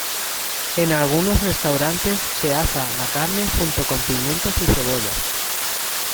En algunos restaurantes se asa la carne junto con pimientos y cebollas.